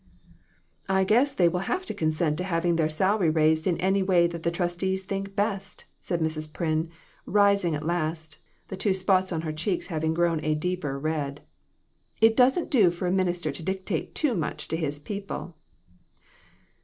"I guess they will have to consent to having their salary raised in any way that the trustees think best," said Mrs. Pryn, rising at last, the two spots on her cheeks having grown a deeper red. "It doesn't do for a minister to dictate too much to his people."